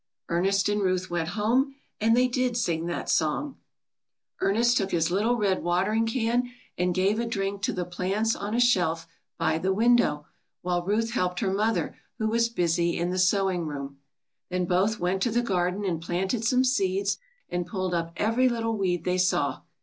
Ernest and Ruth went home and they did sing that song. 82 THE SONG THEY ALL SANG. Ernest took his little red watering can and gave a drink to the plants on a shelf by the window, while Ruth helped her mother, who was busy in the sewing room. Then both went to the garden and planted some seeds and pulled up every little weed they saw.